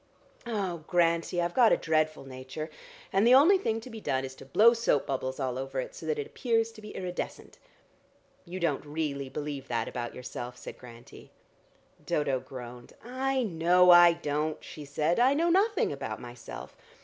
Oh, Grantie, I've got a dreadful nature, and the only thing to be done is to blow soap bubbles all over it, so that it appears to be iridescent." "You don't really believe that about yourself," said Grantie. Dodo groaned. "I know I don't," she said. "I know nothing about myself.